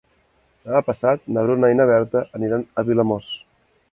Demà passat na Bruna i na Berta aniran a Vilamòs.